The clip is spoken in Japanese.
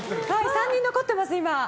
３人残ってます、今。